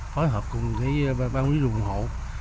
phối hợp cùng bang quý đồng hộ